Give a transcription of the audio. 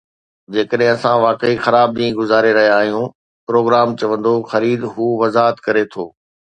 جيڪڏهن اسان واقعي خراب ڏينهن گذاري رهيا آهيون، پروگرام چوندو 'خريد،' هو وضاحت ڪري ٿو